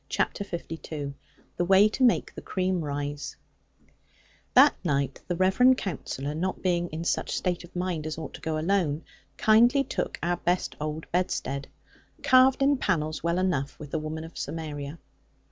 CHAPTER LII THE WAY TO MAKE THE CREAM RISE That night the reverend Counsellor, not being in such state of mind as ought to go alone, kindly took our best old bedstead, carved in panels, well enough, with the woman of Samaria.